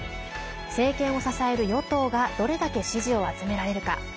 政権を支える与党がどれだけ支持を集められるか。